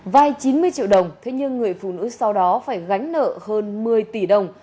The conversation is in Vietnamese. vay chín mươi triệu đồng thế nhưng người phụ nữ sau đó phải gánh nợ hơn một mươi tỷ đồng